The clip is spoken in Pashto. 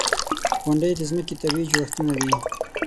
• غونډۍ د ځمکې طبعي جوړښتونه دي.